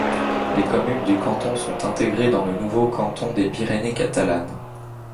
Les communes du canton sont intégrées dans le nouveau canton des Pyrénées catalanes.